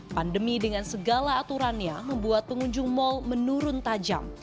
pandemi dengan segala aturannya membuat pengunjung mal menurun tajam